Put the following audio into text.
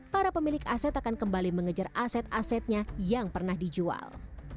para pemilik aset akan kembali mengejar aset asetnya yang pernah dijual